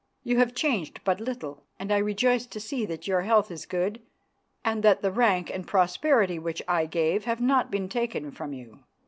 You have changed but little, and I rejoice to see that your health is good and that the rank and prosperity which I gave have not been taken from you."